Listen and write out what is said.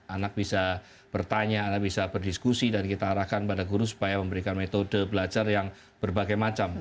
anak bisa bertanya anak bisa berdiskusi dan kita arahkan pada guru supaya memberikan metode belajar yang berbagai macam